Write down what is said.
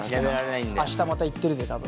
明日また行ってるぜ多分。